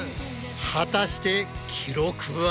果たして記録は？